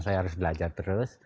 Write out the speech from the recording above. saya harus belajar terus